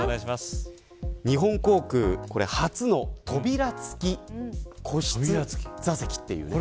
日本航空初の扉付き個室座席ということです。